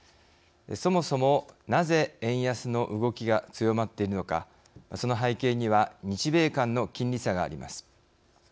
そもそも、なぜ円安の動きが強まっているのか、その背景には日米間の金利差があります。